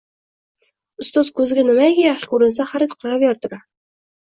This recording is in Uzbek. Ustoz ko’ziga nimaiki yaxshi ko’rinsa xarid qilaverdilar.